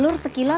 ini sih pak